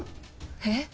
えっ？